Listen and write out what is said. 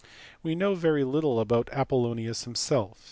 We know very little of Apollonius himself.